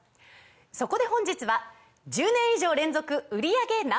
そこで本日は１０年以上連続売り上げＮｏ．１